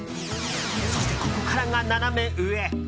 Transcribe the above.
そして、ここからがナナメ上！